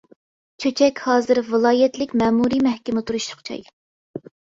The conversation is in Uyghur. چۆچەك ھازىر ۋىلايەتلىك مەمۇرىي مەھكىمە تۇرۇشلۇق جاي.